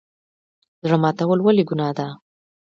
زړه ماتول ولې ګناه ده؟